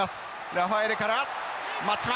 ラファエレから松島。